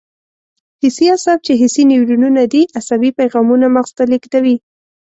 حسي اعصاب چې حسي نیورونونه دي عصبي پیغامونه مغز ته لېږدوي.